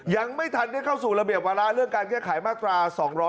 ยังไม่ทันเนี่ยเข้าสู่ระเบียบวาระเรื่องการเกี่ยวข่ายมาตรา๒๗๒